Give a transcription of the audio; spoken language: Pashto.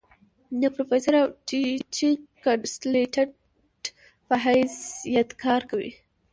د پروفيسر او ټيچنګ کنسلټنټ پۀ حېث يت کار کوي ۔